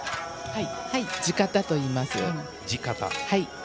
地方といいます。